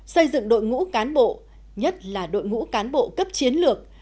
xây dựng đội ngũ cán bộ nhất là đội ngũ cán bộ cấp chiến lược